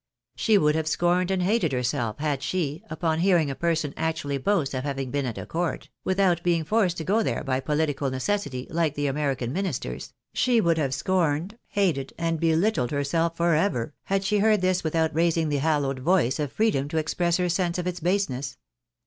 She would have scorned and hated herself had she, upon hearing a person actually boast of having been at a court (without being forced to go there by political necessity, like the American ministers) — she would have scorned, hated, and belittered herself for ever, had she heard this without raising the hallowed voice of freedom to express her sense of its balseness.